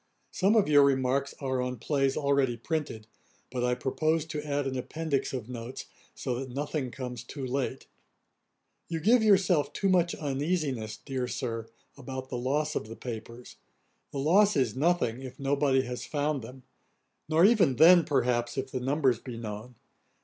Some of your remarks are on plays already printed: but I purpose to add an Appendix of Notes, so that nothing comes too late. 'You give yourself too much uneasiness, dear Sir, about the loss of the papers. The loss is nothing, if nobody has found them; nor even then, perhaps, if the numbers be known.